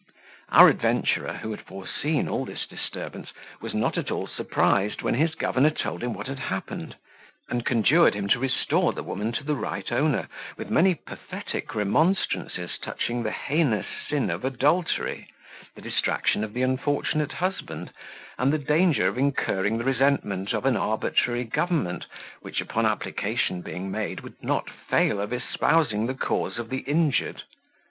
Our adventurer, who had foreseen all this disturbance, was not at all surprised when his governor told him what had happened, and conjured him to restore the woman to the right owner, with many pathetic remonstrances touching the heinous sin of adultery, the distraction of the unfortunate husband, and the danger of incurring the resentment of an arbitrary government, which, upon application being made would not fail of espousing the cause of the injured.